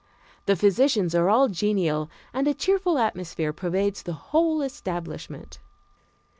The physicians are all genial, and a cheerful atmosphere pervades the whole establishment.